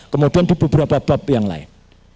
kemudian beberapa bab yang lain